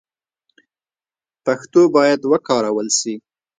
پښتو باید وکارول سي.